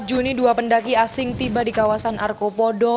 ketiga tiga pendaki asing tiba di kawasan arkopodo